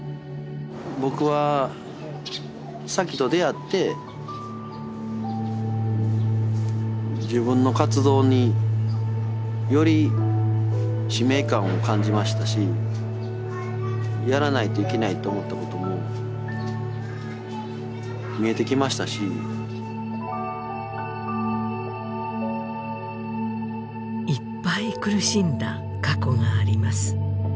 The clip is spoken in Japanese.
僕は紗妃と出会って自分の活動により使命感を感じましたしやらないといけないと思ったことも見えてきましたしいっぱい苦しんだ過去があります